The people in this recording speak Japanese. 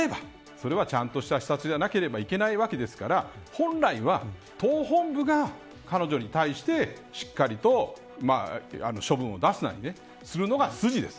それはちゃんとした視察じゃなければいけないわけですから本来は党本部が彼女に対して、しっかりと処分を出すなりするのが筋です。